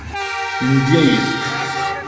Une vieille.